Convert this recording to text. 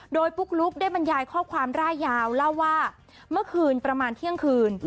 โดยปุ๊กลุ๊กได้บรรยายข้อความร่ายยาวเล่าว่าเมื่อคืนประมาณเที่ยงคืน